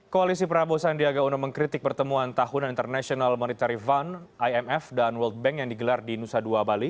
koalisi prabowo sandiaga uno mengkritik pertemuan tahunan international monitary fund imf dan world bank yang digelar di nusa dua bali